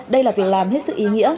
đây là việc làm hết sức ý nghĩa